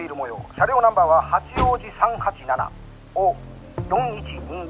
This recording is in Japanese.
車両ナンバーは八王子３８７お４１２２。